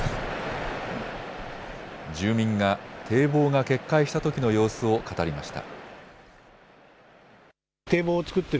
住民が堤防が決壊したときの様子を語りました。